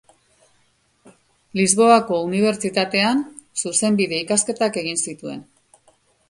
Lisboako Unibertsitatean zuzenbide-ikasketak egin zituen.